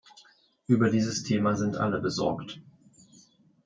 Über dieses Thema sind alle besorgt.